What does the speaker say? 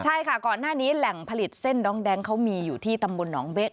ใช่ค่ะก่อนหน้านี้แหล่งผลิตเส้นน้องแดงเขามีอยู่ที่ตำบลหนองเบ๊ะ